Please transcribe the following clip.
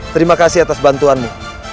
terima kasih atas bantuanmu